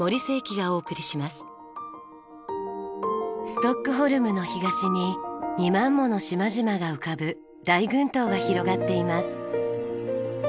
ストックホルムの東に２万もの島々が浮かぶ大群島が広がっています。